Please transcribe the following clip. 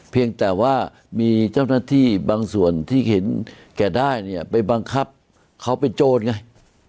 เพียงแต่ว่ามีเจ้าหน้าที่บางส่วนที่เห็นแก่ได้เนี่ยไปบังคับเขาเป็นโจรไง